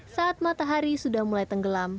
saat matahari sudah mulai tenggelam